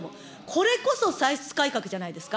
これこそ歳出改革じゃないですか。